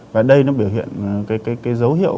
và đây nó biểu hiện cái dấu hiệu